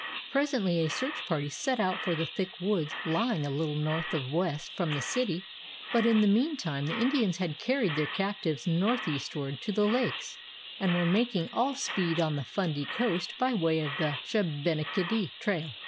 Presently a search party set out for the thick woods lying a little north of west from the city; but in the mean time the Indians had carried their captives northeastward to the lakes, and were making all speed on the Fundy coast by way of the Shubenacadie trail.